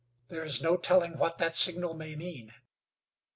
"There is no telling what that signal may mean."